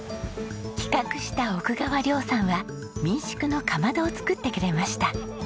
企画した奥川了さんは民宿のかまどを作ってくれました。